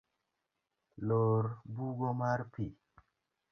Lor bugo mar pi.